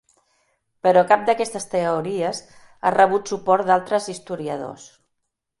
Però cap d'aquestes teories ha rebut suport d'altres historiadors.